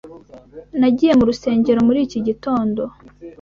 Nagiye mu rusengero muri iki gitondo.